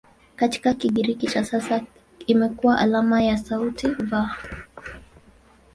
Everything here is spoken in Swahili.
Katika Kigiriki cha kisasa imekuwa alama ya sauti "V".